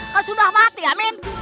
kan sudah mati amin